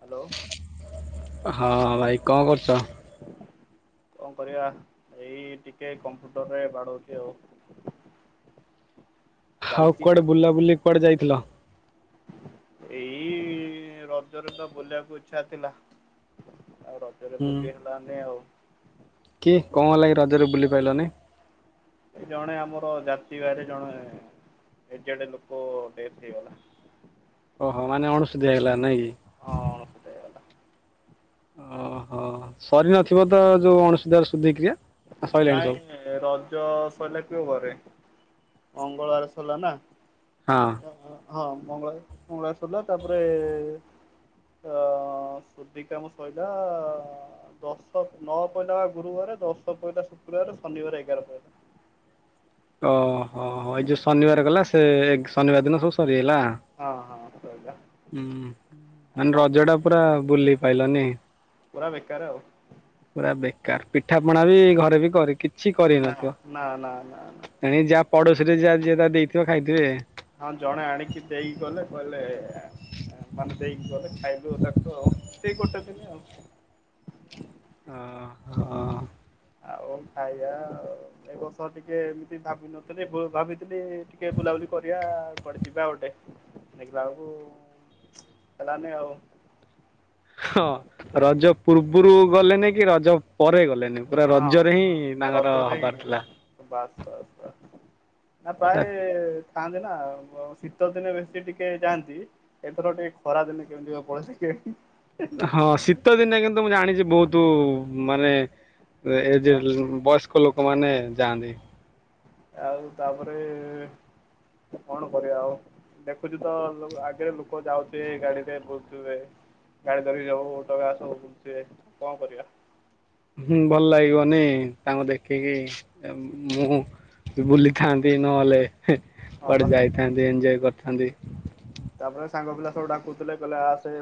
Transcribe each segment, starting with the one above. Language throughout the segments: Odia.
ହ୍ୟାଲୋ ହଁ ଭାଇ କଣ କରୁଛ? କଣ କରିବା ଏଇ ଟିକେ କମ୍ପ୍ୟୁଟରରେ ବାଡ଼ଉଛି ଆଉ ହଉ ଚାଲିଛି। କୁଆଡେ ବୁଲା ବୁଲି କୁଆଡେ ଯାଇଥିଲ? ଏଇ ରଜରେ ତ ବୁଲିବାକୁ ଇଚ୍ଛା ଥିଲା ଆଉ ରଜ ରେ ହୁଁ ବୁଲି ହେଲାନି ଆଉ କି କଣ ହେଲାକି ରଜରେ ବୁଲି ପାରିଲନି? ଏ ଜଣେ ଆମର ଜାତି ଭାଇରେ ଜଣେ ଏଜେଡ ଲୋକ ଡେଥ ହେଇଗଲା। ଓହୋ ମାନେ ଅଣଶୁଧିଆ ହେଇଗଲା ନାଇଁ କି ହଁ ଅଣଶୁଧିଆ ହେଇଗଲା। ଅହ ସରି ନଥିବ ତ ଯୋଉ ଅଣଶୁଧିଆ ଶୁଧିକ୍ରିୟା ନାଇଁ ରଜ ସରିଲା କୋଉ ବାରେ ମଙ୍ଗଳବାରେ ସରିଲା ନା ହଁ ହଁ ହଁ ହଁ ମଙ୍ଗଳାରେ ମଙ୍ଗଳାରେ ସରିଲା ତାପରେ ଅ ସୁଧିକାମ ସଇିଲା। ଦଶ ନଅ ପହିଲା ଗୁରୁବାର ଦଶ ପହିଲା ଶୁକ୍ରବାର ଶନିବାର ଏଗାର ପଇଲା। ଓହ ଏଇ ଯୋଉ ଶନିବାର ଗଲା ସେ ଶନିବାର ଦିନ ସବୁ ସରିଗଲା। ହଁ ହଁ ସଇଲା। ହୁଁ ଆଉ ମାନେ କଣ ରଜଟା ପୁରା କରିବା ବୁଲି ପାଇଲନି ପୁରା ବେକାର ଆଉ ପୁରା ବେକାର ପିଠାପଣା ବି ଘରେ ବି କରି କିଛି ନା କରିନଥିବ। ନା ନା ନା ନା ତେଣିକି ଯାହା ପଡୋଶୀରେ ଯାହା ଯିଏ ଯାହା ଦେଇଥିବ ଖାଇଥିବେ। ହଁ ଜଣେ ଆଣିକି ଦେଇକି ଗଲେ କହିଲେ ମାନେ ଦେଇକି ଗଲେ ଖାଇଲୁ ତାକୁ ଆଉ ସେଇ ଗୋଟେ ଦିନି ଆଉ ଅ ହଁ ଆଉ ଖାଇବା ଆଉ ଏ ବଷ ଟିକେ ଏମିତି ଭାବିନଥିଲି ଭାବିଥିଲି ଟିକେ ବୁଲାବୁଲି କରିବା କୁଆଡେ ଯିବା ଗୋଟେ ଦେଖିଲା ବେଳକୁ ହେଲାନି ଆଉ ହଁ ରଜ ପୂର୍ବରୁ ଗଲେନି କି ରଜ ପରେ ଗଲେ ପୁରା ରଜରେ ହିଁ ହଁ ତାଙ୍କର ରଜରେ ହିଁ ହବାର ଥିଲା। ବାସ୍ ବାସ୍ ବାସ୍ ନା ପ୍ରାୟ କାନ୍ଦେନା ଶୀତ ଦିନେ ବେଶୀ ଟିକେ ଯାଆନ୍ତି। ଏଥର ଟିକେ ଖରା ଦିନେ କେମିତି କଁ ପଳେଇଲେ କେଜାଣି? ହଁ ଶୀତ ଦିନେ କିନ୍ତୁ ମୁଁ ଜାଣିଛି ବହୁତ ମାନେ ଏଯେ ହେଇ ବୟସ୍କ ଲୋକମାନେେ ଯାଆନ୍ତି। ଆଉ ତାପରେ କଣ କରିବା ଆଉ ଦେଖୁଛୁ ତ ଆଗରେ ଲୋକ ଯାଉଥିବେ ଗାଡିରେ ବୁଲୁଥିବେ ଗାଡି ଧରିକି [unintelligible] ବୁଲୁଥିବେ କଣ କରିବା ହୁଁ ଭଲ ଲାଗିବନି ତାଙ୍କୁ ଦେଖିକି ମୁଁ ବି ବୁଲିଥାନ୍ତି ନହେଲେ ହଁ ବା। କୁଆଡେ ଯାଇଥାନ୍ତି ଏଞୟ କରିଥାନ୍ତି। ତାପରେ ସାଙ୍ଗ ପିଲା ସବୁ ଡାକୁଥିଲେ କହିଲେ ଆସେ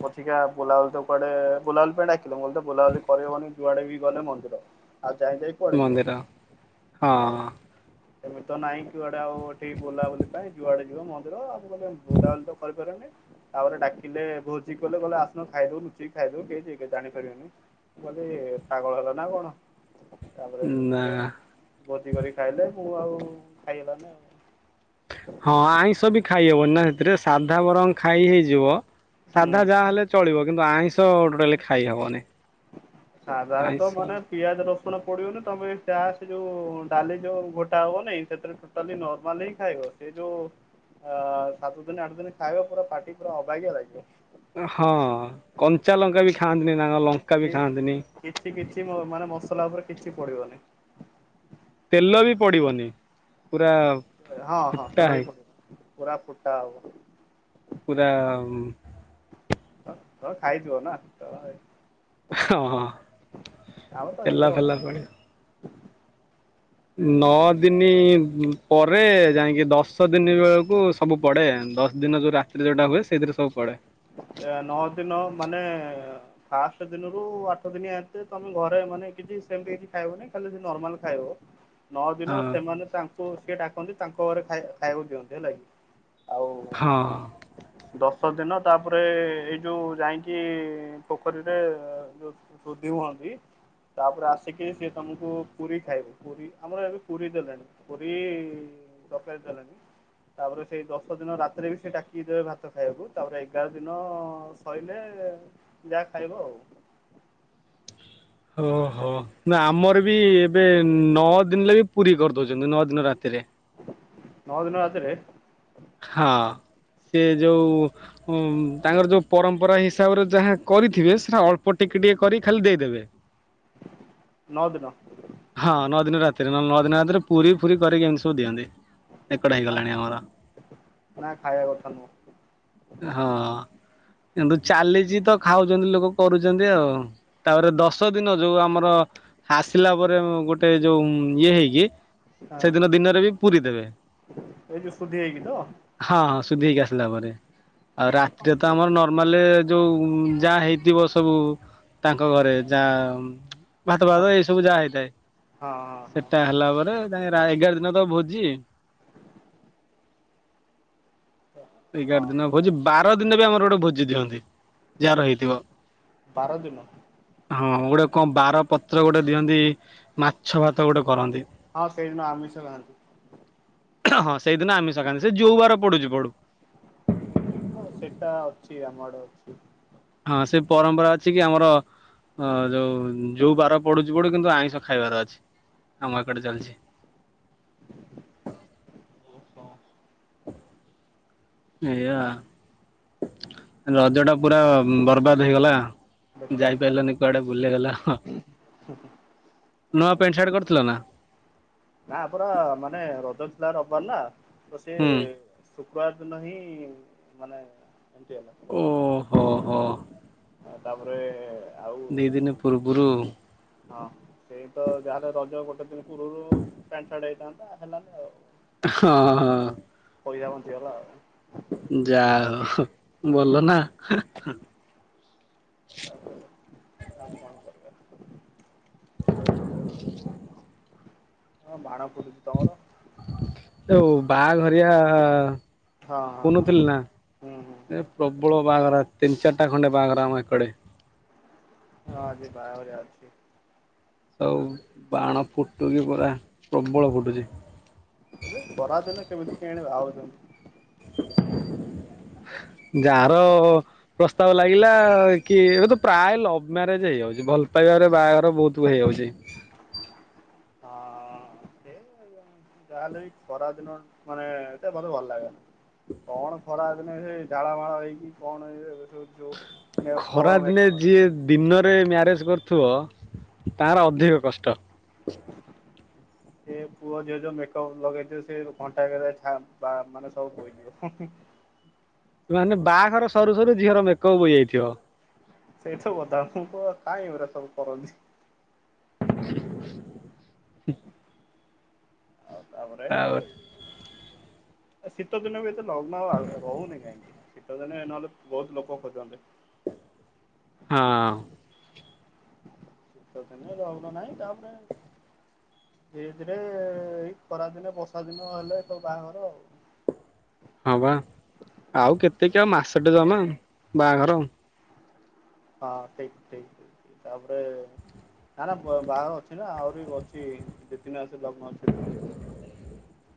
ପଛିିକା ବୁଲାବୁଲି ତ କୁଆଡେ ବୁଲାବୁଲି ପାଇଁ [unintelligible] ବୁଲାବୁଲି କରିହବନି, ଯୁଆଡେ ବି ଗଲେ ମନ୍ଦିର, ଆଉ ଯାଇ ଯାଇ ପଳେଇଯିବ। ମନ୍ଦିର ହଁ ଆଉ ଏମିତି ତ ନାଇଁ କୁଆଡେ ଆଉ ଏଠିକି ବୁଲାବୁଲି ପାଇଁ, ଯୁଆଡେ ଯିବ ମନ୍ଦିର ଆଉ। ଏପଟେ ଏ ବୁଲାବୁଲି ତ କରିପାରିବନି। ଆହୁରି ଡାକିଲେ, ଭୋଜି କଲେ, କହିଲେ ଆସୁନ ଖାଇଦବୁ, ଲୁଚିକି ଖାଇଦବୁ, କେହି ଜାଣିପାରିବେନି। ମୁଁ କହିଲି, ପାଗଳ ହେଲା ନା କଣ? ତାପରେ ସିଏ ନା ଭୋଜି କରି ଖାଇଲେ। ମୁଁ ଆଉ ଖାଇହେଲାନି ଆଉ। ହଁ, ଆଇଁଷ ବି ଖାଇହବନି ନା ସେଥିରେ, ସାଧା ବରଂ ଖାଇ ହେଇଯିବ। ହୁଁ। ସାଧା ଯାହା ହେଲେ ଚଳିବ। କିନ୍ତୁ ଆଇଁଷ ଟୋଟାଲି ଖାଇ ହେବନି। ସାଧାର ତ ମାନେ ପିଆଜ ରସୁଣ ପଡିବନି, ତମେ ଟା ସେ ଯୋଉ ଡାଲି ଯୋଉ ଘୋଟା ହବନାଇଁ ସେଥିରେ ଟୋ ଟାଲି ନର୍ମଲି ହିଁ ଖାଇବ। ସେ ଯଉ ଅ ସାତ ଦିନ, ଆଠ ଦିନ ଖାଇବା ପୁରା ପାଟି ପୁରା ଅବାଗିଆ ଲାଗିବ। ହଁ, କଞ୍ଚା ଲଙ୍କା ବି ଖାଆନ୍ତିନି ନା କଣ, ଲଙ୍କା ବି କି ଖାଆନ୍ତିନି। କିଛି କିଛି ମ ମାନେ ମସଲା ଉପରେ କିଛି ପଡିବନି। ତେଲ ବି ପଡିବନି। ହଁ, ହଁ, ତେଲ ବି ହେଇକି ପକେଇବ। ପୁରା ଫୁଟା ହବ। ପୁରା ଉଁ ତ ତ ଖାଇଯୁଅ ନା। [unintelligible] ହଁ, ହଁ। ଆଉ ତ ତେଲ ଏଇକର ଫେଲ ଅଛି। ପଡି କିନ୍ତୁ ନଅ ଦିନ ପରେ ଯାଇକି ଦଶ ଦିନ ବେଳକୁ ସବୁ ପଡେ। ଦଶ ଦିନ ଯୋଉ ରାତିରେ ଯୋଉଟା ହୁଏ, ସେଇଥିରେ ସବୁ ପଡେ। ଏ ନଅ ଦିନ ମାନେ ଫାଷ୍ଟ ଦିନରୁ ଆଠ ଦିନିଆ ଏତେ ତମେ ଘରେ ମାନେ କିଛି ସେମିତି କିଛି ଖାଇବନି। ଖାଲି ସେଇ ନର୍ମାଲ ଖାଇବ? ନଅ ଦିନ ହଁ ସେମାନେ ତାଙ୍କୁ ସିଏ ଡାକନ୍ତି, ତାଙ୍କ ଘରେ ଖାଇ ଖାଇବାକୁ ଦିଅନ୍ତି। ହେଲା କିି? ଆଉ ହଁ। ଦଶ ଦିନ ତାପରେ ଏଇ ଯୋଉ ଯାଇକି, ପୋଖରୀରେ ଯୋଉ ଶୁଧି ହୁଅନ୍ତି। ତାପରେ ଆସିକି ସିଏ ତମକୁ ପୁରୀ ଖାଇବ, ପୁରୀ ଆମର ଏବେ ପୁରୀ ଦେଲେଣି। ପୁରି ତରକାରୀ ଦେଲେ। ତାପରେ ସେଇ ଦଶ ଦିନ ରାତିରେ ବି ସେ ଡାକିକି ଦେବେ ଭାତ ଖାଇବାକୁ, ତାପରେ ଏଗାର ଦିନ ସରିଲେ ଯାହା ଖାଇବ ଆଉ। ଓ ହୋ। ନା ଆମର ବି ଏବେ ନଅ ଦିନରେ ବି ପୁରି କରିଦଉଛନ୍ତି, ନଅ ଦିନ ରାତିରେ। ନଅ ଦିନ ରାତିରେ? ହଁ, ସେ ଯୋଉ ଉଁ ତାଙ୍କର ଯୋଉ ପରମ୍ପରା ହିସାବରେ ଯାହା କରିଥିବେ, ସେଟା ଅଳ୍ପ ଟିକେ ଟିକେ କରି ଖାଲି ଦେଇଦେବେ। ନଅ ଦିନ। ହଁ, ନଅ ଦିନ ରାତିରେ, ନହେଲେ ନଅ ଦିନ ରାତିରେ ପୁରି ଫୁରି କରିକି ଏମିତି ସବୁ ଦିଅନ୍ତି। ଏକଡ ନା ହେଇଗଲାଣି ଆମର। ନା, ଖାଇବା କଥା ନୁହଁ। ହଁ, କିନ୍ତୁ ଚାଲିଛି ତ ଖାଉଛନ୍ତି ଲୋକ, କରୁଛନ୍ତି ଆଉ। ତାପରେ ଦଶ ଦିନ ଯୋଉ ଆମର ଆସିଲା ପରେ ଗୋଟେ ଯୋଉ ଇଏ ହେଇକି ହଁ ସେଦିନ ଦିନରେ ବି ପୁରୀ ଦେବେ। ଏଇ ଯୋଉ ଶୁଦ୍ଧି ହେଇକି ତ ହଁ ସୁଧି ହେଇକି ଆସିଲା ପରେ। ଆଉ ରାତିରେ ତ ଆମର ନର୍ମାଲ ଯୋଉ ଯାହା ହେଇଥିବ ସବୁ ତାଙ୍କ ଘରେ ଯାହା ଭାତ ଭାତ ହଁ ଏଇ ସବୁ ଯାହା ହେଇଥାଏ, ହଁ ହଁ ସେଟା ହଁ ହେଲାପରେ ତାଙ୍କେ ରା ଏଗାର ଦିନ ତ ଭୋଜି। [inaudible] ହଁ ଏଗାର ଦିନ ଭୋଜି, ବାର ଦିନ ବି ଆମର ଗୋଟେ ଭୋଜି ଦିଅନ୍ତି। ଯାହାର ହେଇଥିବ ବାର ଦିନ ହଁ ଗୋଟେ କଣ ବାରପତ୍ର ଗୋଟେ ଦିଅନ୍ତି, ମାଛ ଭାତ ଗୋଟେ କରନ୍ତି। ହଁ ସେଇଦିନ ଆମିଷ ଖାଆନ୍ତି। ହଁ ସେଇଦିନ ଆମିଷ ଖାଆନ୍ତି, ସେ ଯୋଉ ବାର ପଡୁଛି ପଡୁ। ହଁ ସେଟା ଅଛି ଆମ ଆଡ଼େ ଅଛି। ହଁ ସେ ପରମ୍ପରା ଅଛି କି ଆମର ଅଁ ଯୋଉ ଯୋଉ ବାର ପଡୁଛି ପଡୁ କିନ୍ତୁ ଆଇଁଷ ଖାଇବାର ଅଛି, ଆମ ଏକଡ଼େ ଚାଲିଛି। [unintelligible] ଏଇଆ, ରଜଟା ପୁରା ବର୍ବାଦ ହେଇଗଲା। ବେକାର ପୁରା ଯାଇପାଇଲନି କୁଆଡେ ବୁଲିଗଲ, ନୂଆ ପ୍ୟାଣ୍ଟ ସାର୍ଟ କରିଥିଲ ନା? ନାଁ ଆମର ମାନେ ରଜ ଥିଲା ରବିବାର ନା ତ ହୁଁ। ସିଏ ଶୁକ୍ରବାର ଦିନ ହିଁ ମାନେ ଏମିତି ହେଲା। ଓହୋ। ହଁ ତାପରେ ଆଉ ଦି ଦିନ ପୂର୍ବରୁ ହଁ ସେଇତ ଯାହାହେଲେ ରଜ ଗୋଟେ ଦିନ ପୂର୍ବରୁ ପ୍ୟାଣ୍ଟ ସାର୍ଟ ହେଇଥାନ୍ତା ହେଲାନି ଆଉ। ହଁ, ହଁ। ପଇସା ବଞ୍ଚିଗଲା ଆଉ। ଯାହଉ ଭଲ ନା। [unintelligible] [inaudible] କଣ ବାଣ ଫୁଟୁଛି ତମର? ଯୋଉ ବାହାଘରିଆ ହଁ ହଁ ହଁ କହୁନୁଥିଲି ନା? ହୁଁ ହୁଁ ଏ ହୁଁ ପ୍ରବଳ ବାହାଘର, ତିନି ଚାରିଟା ଖଣ୍ଡେ ବାହାଘର ଆମ ଏକଡେ। ହଁ ଆଜି ବାହାଘରିଆ ଅଛି। ଆଉ ବାଣ ଫୁଟୁକି ପୁରା ପ୍ରବଳ ଫୁଟୁଛି। ଏବେ ଖରାଦିନ କେମିତି କିଆଣି ବାହା ହଉଛନ୍ତି? ଯାହାର ପ୍ରସ୍ତାବ ଲାଗିଲା କି, ଏବେ ତ ପ୍ରାୟ ଲଭ୍ ମ୍ୟାରେଜ୍ ହେଇଯାଉଛି, ଭଲ ପାଇବାରେ ବାହାଘର ବହୁତ ହେଇଯାଉଛି। ହଁ [unintelligible] ଯାହାହେଲେବି ଖରାଦିନ ମାନେ ଏତେ ମତେ ଭଲ ଲାଗେନି। କଣ ଖରାଦିନେ ସେଇ ଝାଳ ମାଳ ହେଇକିି କଣ ଇଏ [unintelligible] ଖରାଦିନେ ଯିଏ ଦିନରେ ମ୍ୟାରେଜ୍ କରୁଥିବ ତାର ଅଧିକ କଷ୍ଟ। [inaudible] ସେ ପୁଅ ଝିଅ ଯୋଉ ମେକପ୍ ଲଗେଇଥିବେ ସେ ଘଣ୍ଟାକରେ ଛା, ବା ମାନେ ସବୁ ବୋହିଯିବ। ମାନେ ବାହାଘର ସରୁ ସରୁ ଝିଅର ମେକପ୍ ବୋହି ଯାଇଥିବ। ସେଇ ସବୁ କଥା, ମୁଁ କହିବ କାଇଁ ଏଉରା ସବୁ କରନ୍ତି। ହ ଆଉ ତାପରେ ଏ ଶୀତ ଦିନ ବି ଏତେ ଲଗ୍ନ ଆଉ ରହୁନି କାହିଁକି ଶୀତ ଦିନେ ନହେଲେ ବହୁତ ଲୋକ ଖୋଜନ୍ତେ। ହଁ। ଶୀତ ଦିନେ ରଗ୍ନ ନାଇଁ ତାପରେ ଧୀରେ ଧୀରେ ଏଇ ଖରାଦିନେ ବର୍ଷା ଦିନ ହେଲେ ସବୁ ବାହାଘର ଆଉ। ହଁବା ଆଉ କେତେ କି ଆଉ ମାସଟେ ଜମା ବାହାଘର। ହଁ ଠିକ ଠିକ ତାପରେ ନା ନା ବ ବାହାଘର ଅଛି ନା ଆହୁରି ଅଛି ଦିଇ ତିନି ମାସ ଲଗ୍ନ ଅଛି ନା କଣ। [unintelligible]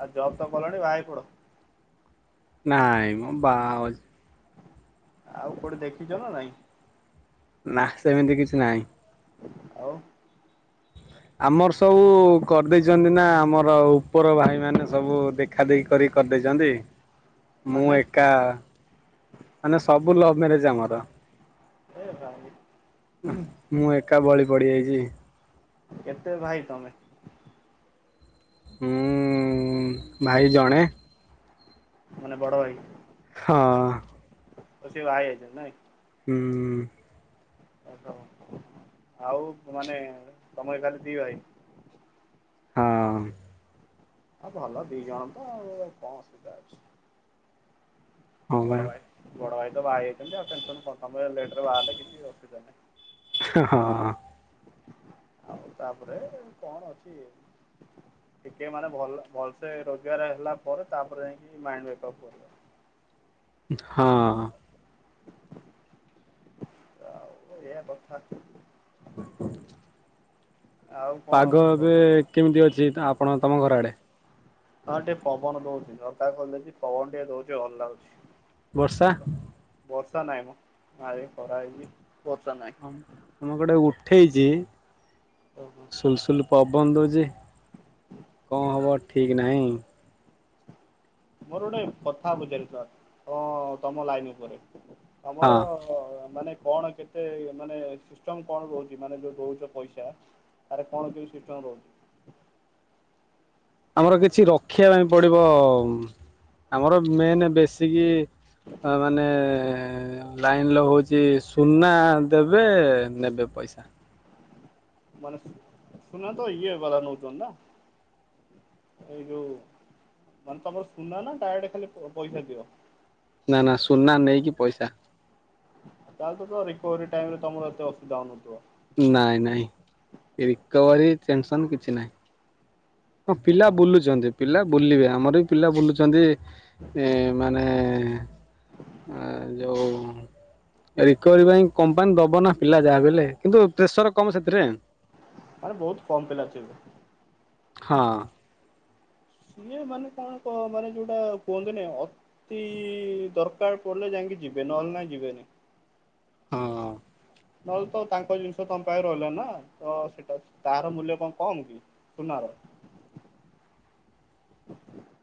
ଆ ଜବ ତ କଲଣି ବାହା ହେଇ ପଡ଼। ନାଇଁ ମ ବା ହୋଉଚି। ଆଉ କୋଉଠି ଦେଖିଚ ନା ନାଇଁ? ନା ସେମିତି କିଛି ନାଇଁ। ଆଉ ଆମର ସବୁ କରିଦେଇଛନ୍ତି ନା ଆମର ଉପର ଭାଇ ମାନେ ସବୁ ଦେ ଖା ଦେଖି କରି କରିଦେଇଚନ୍ତି। ମୁଁ ମାନେ ଏକା ମାନେ ସବୁ ଲଭ ମ୍ୟାରେଜ ଆମର। ଏ ଭାଇ। ମୁଁ ଏକା ବଳି ପଡ଼ିଯାଇଚି। କେତେ ଭାଇ ତମେ? ମୁଁ ଭାଇ ଜଣେ। ମାନେ ବଡ଼ ଭାଇ? ହଁ। ଓ ସିଏ ବାଆ ହେଇଯାଇଛନ୍ତି ନାଇଁ। ହୁଁ। ଆଉ ତ ଆଉ ମାନେ ତମଇ ଖାଲି ଦି ଭାଇ? ହଁ। ହ ଭଲ ଦି ଜଣ ତ ଆଉ କଣ ଅସୁବିଧା ଅଛି? ହଁ ବା ବଡ଼ ଭାଇ ବଡ଼ ଭାଇ ତ ବାହା ହେଇଛନ୍ତି ଆଉ ଟେନସନ୍ କ ତମେ ଲେଟ୍ରେ ବାହା ହେଲେ କିଛି ଅସୁବିଧା ନାଇଁ। ହଁ। ଆଉ ତାପରେ କଣ ଅଛି? ଟିକେ ମାନେ ଭଲ ଭଲସେ ରୋଜଗାର ହେଲା ପରେ ତାପରେ ଯାଇଙ୍କି ମାଇଣ୍ଡ ମେକପ କରିବ। ହଁ। ଆଉ ଏୟା କଥା। ହ ଆଉ କଣ ପାଗ ଖବର? ଏବେ କେମିତି ଅଛି ତ ଆପଣ ତମ ଘର ଆଡ଼େ? ହଁ ଟିକେ ପବନ ଦଉଛି ନତା ଖଲୁଚି ପବନ ଟିକେ ଦୋଉଚି ଭଲ ଲାଗୁଚି। ବର୍ଷା? ବର୍ଷା ନାଇଁ ମ ଭାଇ ଖରା ହେଇଚି ବର୍ଷା ନାଇଁ। ଆମ ପଟେ ଉଠେଇଚି। ଓହୋ। ସୁଲସୁଲ ପବନ ଦୋଉଚି କଣ ହବ ଠିକ୍ ନାଇଁ। ମୋର ଗୋଟେ କଥା ପଚାରିଥିଲା ତ ତମ ଲାଇନ ଉପରେ ତମର ହଁ ଅ ମାନେ କଣ କେତେ ମାନେ ସିଷ୍ଟମ କଣ ରୋହୁଚି ମାନେ ଯୋଉ ଦୋଉଚ ପଇସା? ତାର କଣ କେମିତି ସିଷ୍ଟମ୍ ରହୁଛି? ଆମର କିଛି ରଖିବା ପାଇଁ ପଡିବ ଆମର ମେନ୍ ବେଶୀକି। ଅ ମାନେ। ଲାଇନ୍ ଲଗୋଉଚି ସୁନା ଦେବେ ନେବେ ପଇସା। ମାନେ ସୁ ସୁନା ତ ଇଏ ବାଲା ନଉଚନ୍ତି ନା। ଏଇ ଯୋଉ ମାନେ ତମର ସୁନା ନା ଡାଇରେକ୍ଟ ଖାଲି ପଇସା ଦିଅ? ନା ନା ସୁନା ନେଇକି ପଇସା। ତାହେଲେ ତ ରିକୋଭରି ଟାଇମ୍ ରେ ତମର ଏତେ ଅସୁବିଧା ହେଉନଥିବ। ନାଇଁ ନାଇଁ ରିକୋଭରି ଟେନସନ୍ କିଛି ନାହିଁ। ହଁ ପିଲା ସୁନା ବୁଲୁଛନ୍ତି ପିଲା ବୁଲିବେ ଆମର ବି ପିଲା ବୁଲୁଛନ୍ତି। ଏ ମାନେ। ଆ ଯୋଉ ରିକୋଭରି ପାଇଁ କମ୍ପାନୀ ଦବ ନା ପିଲା ଯାହା ବି ହେଲେ। କିନ୍ତୁ ପ୍ରେସର କମ୍ ସେଥିରେ। ଆରେ ବହୁତ୍ କମ୍ ପିଲା ଥିବେ। ହଁ। ସିଏ ମାନେ କଣ କ ମାନେ ଯୋଉଟା କୁହନ୍ତିନି ଅ। ତି ଦରକାର ପଡ଼ିଲେ ଯାଇକି ଯିବେ ନହେଲେ ନାହିଁ ଯିବେନି। ହଁ। ନହେଲେ ତ ତାଙ୍କ ଜିନିଷ ତମ ପାଖରେ ରହିଲା ନା ତ ସେଟା ତାହାର ମୂଲ୍ୟ କଣ କମ୍ କି। ସୁନା ର। [unintelligible]